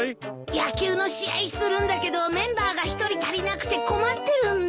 野球の試合するんだけどメンバーが１人足りなくて困ってるんだ。